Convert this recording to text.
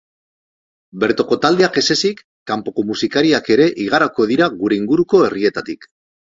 Bertoko taldeak ez ezik, kanpoko musikariak ere igaroko dira gure inguruko herrietatik.